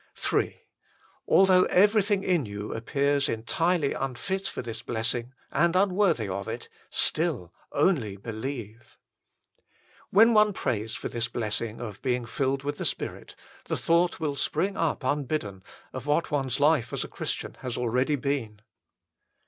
Ill Although everything in you appears entirely unfit for this Messing and unworthy of it, still :" only believe." When one prays for this blessing of being filled with the Spirit, the thought will spring up unbidden, of what one s life as a Christian has already been.